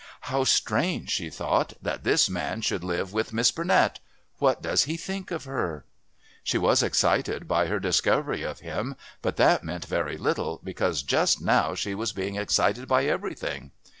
"How strange," she thought, "that this man should live with Miss Burnett! What does he think of her?" She was excited by her discovery of him, but that meant very little, because just now she was being excited by everything.